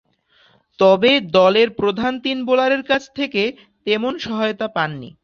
তবে দলের প্রধান তিন বোলারের কাছ থেকে তেমন সহায়তা পাননি।